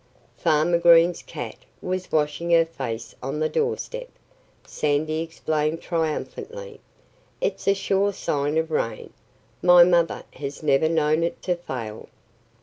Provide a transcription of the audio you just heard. "Farmer Green's cat was washing her face on the doorsteps," Sandy explained triumphantly. "It's a sure sign of rain. My mother has never known it to fail."